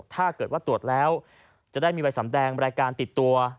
ถ้าเกิดว่าตรวจแล้วจะได้มีใบสำแดงรายการติดตัว